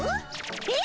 え！